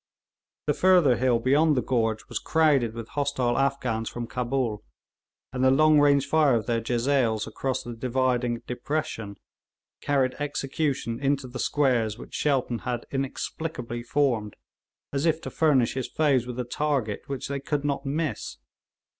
The further hill beyond the gorge was crowded with hostile Afghans from Cabul, and the long range fire of their jezails across the dividing depression, carried execution into the squares which Shelton had inexplicably formed as if to furnish his foes with a target which they could not miss.